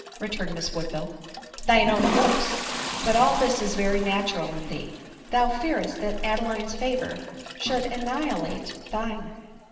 re turned Miss Woodville. 26* 302 ADELINE MOWBRAY. "Thy own looks — but all this is very natural in thefc ; thou fearest that Adeline's favor should annihilate thine."